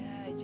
itu kan rere